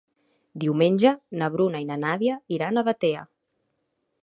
Diumenge na Bruna i na Nàdia iran a Batea.